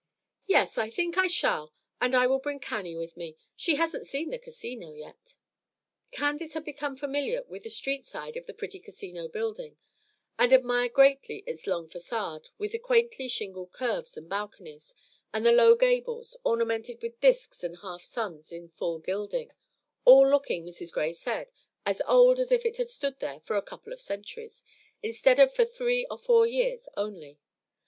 "Yes, I think I shall; and I will bring Cannie with me. She hasn't seen the Casino yet." Candace had become familiar with the street side of the pretty Casino building, and admired greatly its long façade, with the quaintly shingled curves and balconies, and the low gables, ornamented with disks and half suns in dull gilding, all looking, Mrs. Gray said, as old as if it had stood there for a couple of centuries, instead of for three or four years only.